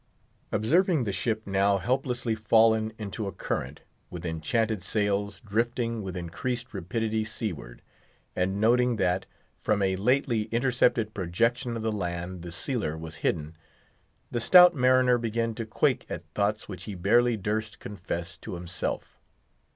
Observing the ship, now helplessly fallen into a current, with enchanted sails, drifting with increased rapidity seaward; and noting that, from a lately intercepted projection of the land, the sealer was hidden, the stout mariner began to quake at thoughts which he barely durst confess to himself.